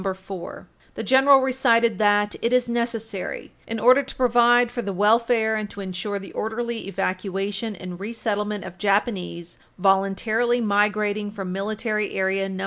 4, [Footnote 2/4] the General recited that "it is necessary, in order to provide for the welfare and to insure the orderly evacuation and resettlement of Japanese voluntarily migrating from Military Area No.